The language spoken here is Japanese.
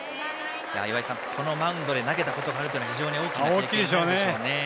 岩井さん、このマウンドで投げたことがあるのは非常に大きなことになるでしょうね。